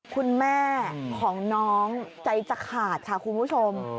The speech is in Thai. คุณแม่ของน้องใจจะขาดค่ะคุณผู้ชม